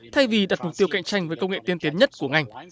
thay vì đặt mục tiêu cạnh tranh với công nghệ tiên tiến nhất của ngành